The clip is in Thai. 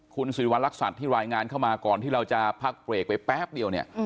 คุณสิริวัณรักษัตริย์ที่รายงานเข้ามาก่อนที่เราจะพักเบรกไปแป๊บเดียวเนี่ย